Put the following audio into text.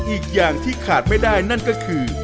อีกอย่างที่ขาดไม่ได้นั่นก็คือ